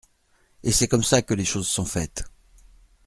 Et c’est comme ça que les choses sont faites.